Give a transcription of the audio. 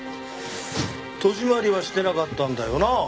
戸締まりはしてなかったんだよな？